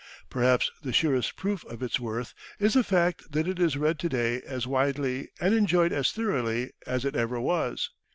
Perhaps the surest proof of its worth is the fact that it is read to day as widely and enjoyed as thoroughly as it ever was.